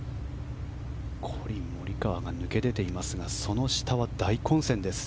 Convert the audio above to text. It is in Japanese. コリン・モリカワが抜け出ていますがその下は大混戦です。